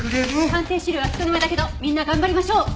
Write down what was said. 鑑定試料は少なめだけどみんな頑張りましょう！